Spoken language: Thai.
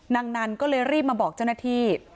นางนันก็เลยรีบมาบอกเจ้าหน้าที่